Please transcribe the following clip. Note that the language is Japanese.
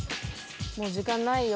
もう時間ないよ。